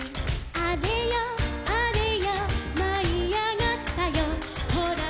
「あれよあれよまいあがったよほら」